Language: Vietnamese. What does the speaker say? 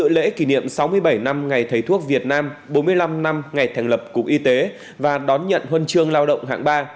lễ kỷ niệm sáu mươi bảy năm ngày thầy thuốc việt nam bốn mươi năm năm ngày thành lập cục y tế và đón nhận huân chương lao động hạng ba